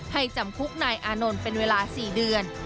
จำคุกนายอานนท์เป็นเวลา๔เดือน